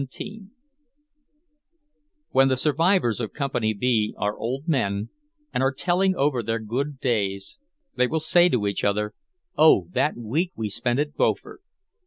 XVII When the survivors of Company B are old men, and are telling over their good days, they will say to each other, "Oh, that week we spent at Beaufort!"